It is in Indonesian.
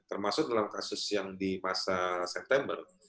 termasuk dalam kasus yang di masa september